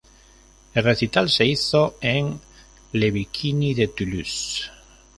El recital se hizo en Le Bikini de Toulouse.